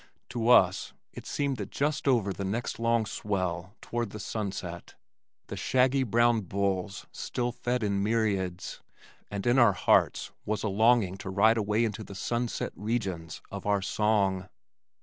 To us it seemed that just over the next long swell toward the sunset the shaggy brown bulls still fed in myriads, and in our hearts was a longing to ride away into the "sunset regions" of our song.